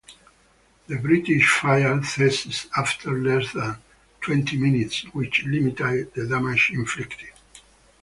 The British fire ceased after less than twenty minutes, which limited the damage inflicted.